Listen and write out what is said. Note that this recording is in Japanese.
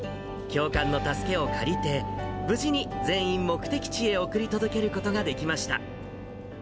教官の助けを借りて、無事に全員目的地へ送り届けることができました。